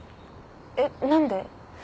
えっ何で？